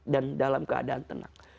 dan dalam keadaan tenang